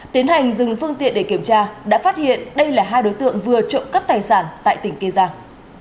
tiến hành dừng phương tiện để kiểm tra đã phát hiện đây là hai đối tượng vừa trộm cắp tài sản tại tỉnh kiên giang